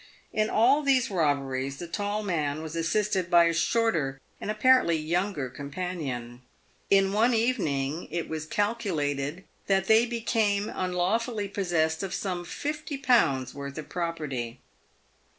In all these robberies the tall man was assisted by a shorter and apparently younger companion. In one evening it was calculated that they became unlawfully possessed of some fifty pounds' worth of property.